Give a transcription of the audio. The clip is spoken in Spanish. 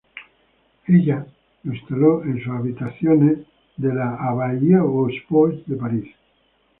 Ella lo instaló en sus habitaciones de la Abbaye-aux-Bois, en París.